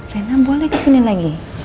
rena boleh kesini lagi